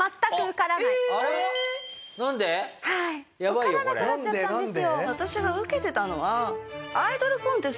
受からなくなっちゃったんですよ。